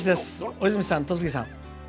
大泉さん戸次さん